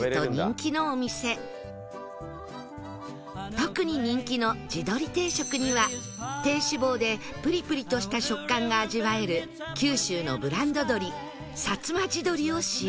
特に人気の地どり定食には低脂肪でプリプリとした食感が味わえる九州のブランド鶏さつま地鶏を使用